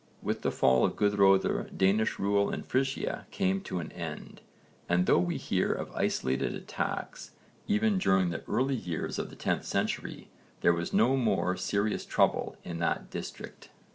With the fall of Guðröðr Danish rule in Frisia came to an end, and though we hear of isolated attacks even during the early years of the 10th century, there was no more serious trouble in that district.